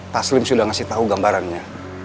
taslim sudah ngasih tahu gambarannya